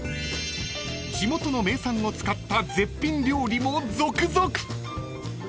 ［地元の名産を使った絶品料理も続々］